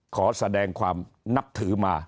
ขอแสดงความนับถือมา